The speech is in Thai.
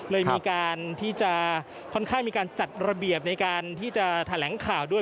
เลยมีการที่จะค่อนข้างมีการจัดระเบียบในการที่จะแถลงข่าวด้วย